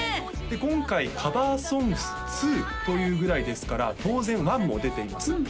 今回「カバーソングス２」というぐらいですから当然１も出ています